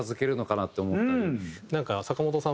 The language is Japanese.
なんか坂本さん